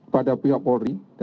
pada pihak polri